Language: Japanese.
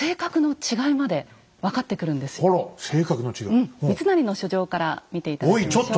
うん三成の書状から見て頂きましょう。